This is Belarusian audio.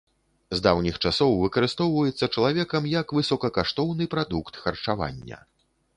З даўніх часоў выкарыстоўваецца чалавекам як высокакаштоўны прадукт харчавання.